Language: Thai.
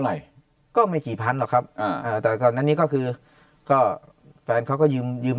หน่อยก็ไม่กี่พันหรอกครับอ่าแต่ก่อนอันนี้ก็คือก็แฟนเขาก็ยืมยืม